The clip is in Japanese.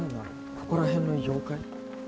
ここら辺の妖怪？